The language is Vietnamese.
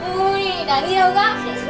ui đáng yêu gấp